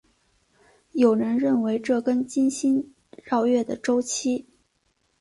有人认为这跟金星绕日的周期。